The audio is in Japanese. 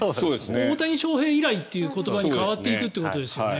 大谷翔平以来っていう言葉に変わっていくっていうことですよね。